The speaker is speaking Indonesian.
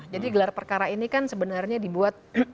jadi gelar perkara ini kan sebenarnya dibuat